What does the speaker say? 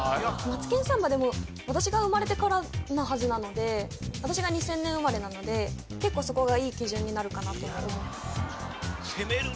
「マツケンサンバⅡ」でも私が生まれてからなはずなので私が２０００年生まれなので結構そこがいい基準になるかなとも思います・攻める